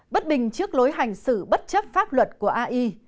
bất bình trước lối hành xử bất chấp pháp luật của ai